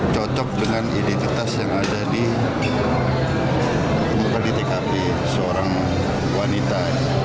cocok dengan identitas yang ada di tkp seorang wanita